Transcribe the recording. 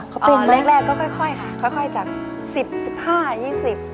เขาเป็นไหมอ๋อแรกแรกก็ค่อยค่อยค่ะค่อยค่อยจากสิบสิบห้ายี่สิบ